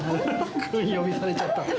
君呼びされちゃった。